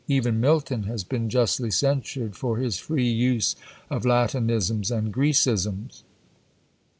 Even Milton has been justly censured for his free use of Latinisms and Grecisms.